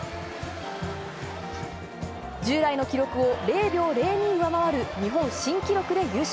従来の記録を０秒０２上回る日本新記録で優勝。